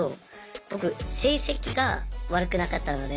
僕成績が悪くなかったので。